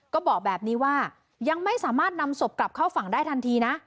ก็บอกแบบนี้ว่ายังไม่สามารถนำศพกลับเข้าฝั่งได้ทันทีนะ